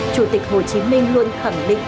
chủ tịch hồ chí minh luôn khẳng định